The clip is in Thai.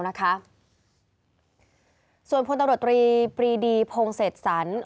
ส่วนผู้ตำรวจปรีดีพงษ์เสร็จสรรค์